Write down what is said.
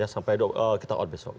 sampai kita on besok